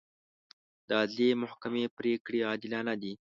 د عدلي محکمې پرېکړې عادلانه دي.